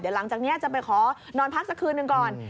เดี๋ยวหลังจากนี้จะไปขอนอนพักสักคืนหนึ่งก่อน